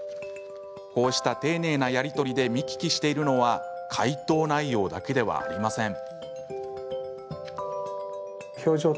こうした丁寧なやり取りで見聞きしているのは回答内容だけではありません。